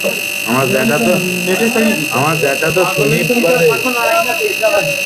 বাংলার পাশাপাশি কাজ করেছেন হিন্দি ছবিতেও।